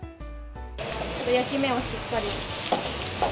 焼き目をしっかり。